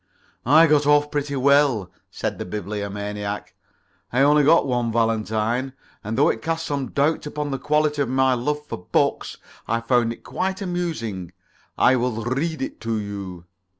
"I got off pretty well," said the Bibliomaniac. "I only got one valentine, and though it cast some doubt upon the quality of my love for books, I found it quite amusing. I'll read it to you."